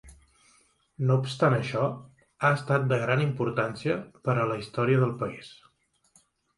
No obstant això, ha estat de gran importància per a la història del país.